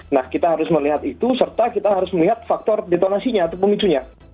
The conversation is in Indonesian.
nah kita harus melihat itu serta kita harus melihat faktor ditonasinya atau pemicunya